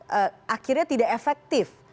dan akhirnya tidak efektif